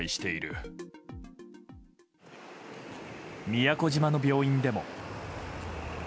宮古島の病院でも。